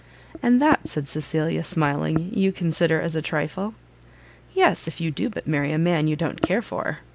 "And that," said Cecilia, smiling, "you consider as a trifle?" "Yes, if you do but marry a man you don't care for."